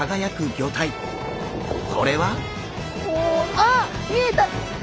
あっ見えた。